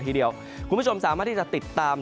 ในภาคฝั่งอันดามันนะครับ